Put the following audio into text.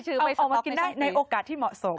ไปส่งมากินได้ในโอกาสที่เหมาะสม